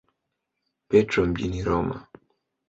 Petro mjini Roma.